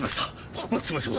出発しましょう。